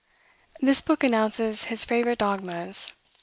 This book announces his favorite dogmas.